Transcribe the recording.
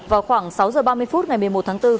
vào khoảng sáu giờ ba mươi phút ngày một mươi một tháng bốn